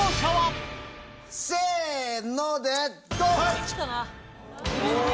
こっちかな。